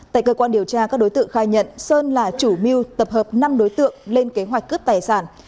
tại cơ quan điều tra các đối tượng khai nhận sơn là chủ mưu tập hợp năm đối tượng lên kế hoạch cướp tài sản